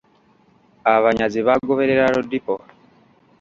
Abanyazi baagoberera Lodipo.